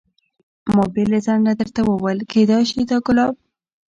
ما بې له ځنډه درته وویل کېدای شي دا ګلاب.